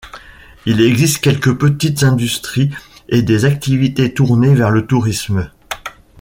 Il existe quelques petites industries et des activités tournées vers le tourisme.